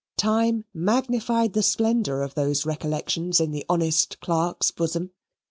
Time magnified the splendour of those recollections in the honest clerk's bosom.